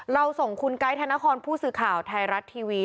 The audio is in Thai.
เราส่งคุณไกด์ธนครผู้สื่อข่าวไทยรัฐทีวี